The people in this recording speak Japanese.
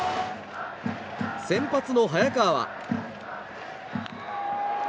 先発の早川は。